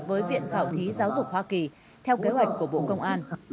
với viện khảo thí giáo dục hoa kỳ theo kế hoạch của bộ công an